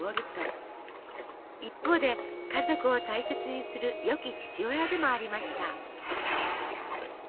一方で家族を大切にするよき父親でもありました。